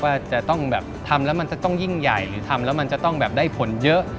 ว่าจะต้องแบบทำแล้วมันจะต้องยิ่งใหญ่หรือทำแล้วมันจะต้องแบบได้ผลเยอะ